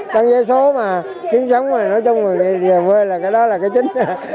đăng giấy số mà kiếm sống mà nói chung là về quê là cái đó là cái chính